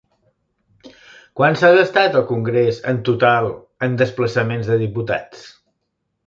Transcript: Quant s'ha gastat el congrés en total en desplaçaments de diputats?